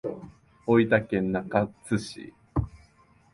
大分県中津市